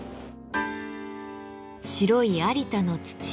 白い有田の土。